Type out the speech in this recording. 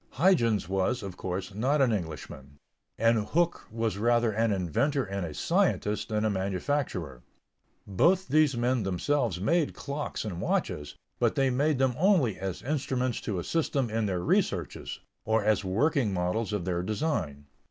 Huyghens was, of course, not an Englishman; and Hooke was rather an inventor and a scientist than a manufacturer. Both these men themselves made clocks and watches, but they made them only as instruments to assist them in their researches, or as working models of their design.